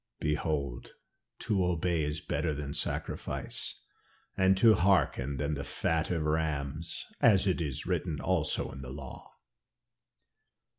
'Behold to obey is better than sacrifice, and to hearken than the fat of rams,' as it is written also in the law."